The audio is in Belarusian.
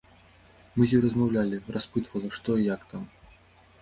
І мы з ёй размаўлялі, распытвала, што і як там.